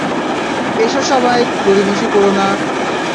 এসো সবাই, গড়িমসি করো না।